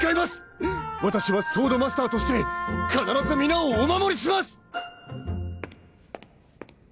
私はソードマスターとして必ず皆をお守りします！